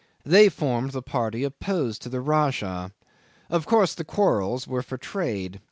They formed the party opposed to the Rajah. Of course the quarrels were for trade.